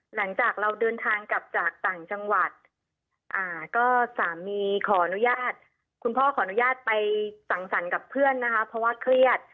หลังจากเราเดินทางกลับจากต่างจังหวัดก็สามีขออนุญาตคุณพ่อขออนุญาตไปสั่งสรรค์กับเพื่อนนะคะเพราะว่าเครียด